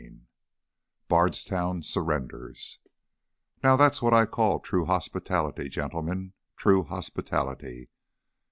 5 Bardstown Surrenders "Now that's what I call true hospitality, gentlemen, true hospitality."